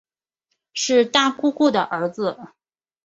是大姑姑的儿子